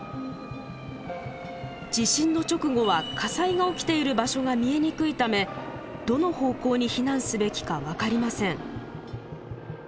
地震の直後は火災が起きている場所が見えにくいためどの方向に避難すべきか分かりません。